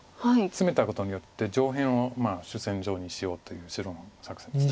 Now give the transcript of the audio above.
ツメたことによって上辺を主戦場にしようという白の作戦です。